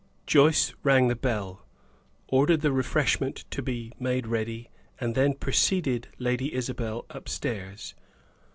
Joyce rang the bell, ordered the refreshment to be made ready, and then preceded Lady Isabel upstairs.